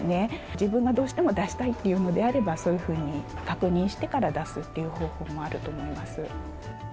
自分がどうしても出したいっていうのであれば、そういうふうに確認してから出すっていう方法もあると思います。